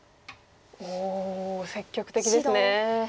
おお積極的ですね。